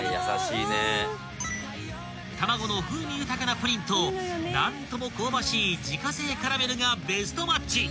［卵の風味豊かなプリンと何とも香ばしい自家製カラメルがベストマッチ］